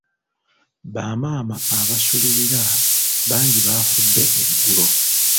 Bamaama abasulirira bangi baafudde eggulo.